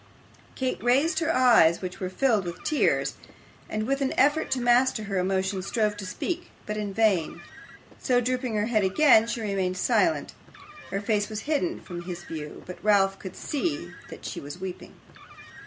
Kate raised her eyes, which were filled with tears; and with an effort to master her emotion strove to speak, but in vain. So drooping her head again, she remained silent. Her face was hidden from his view, but Ralph could see that she was weeping.